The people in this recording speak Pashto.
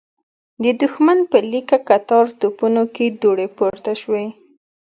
د دښمن په ليکه کتار توپونو کې دوړې پورته شوې.